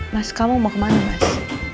nas kamu mau kemana mas